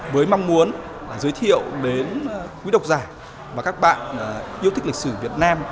với mong muốn giới thiệu đến quý độc giả và các bạn yêu thích lịch sử việt nam